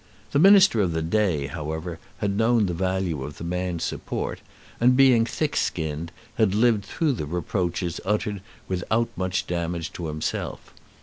The Minister of the day, however, had known the value of the man's support, and, being thick skinned, had lived through the reproaches uttered without much damage to himself.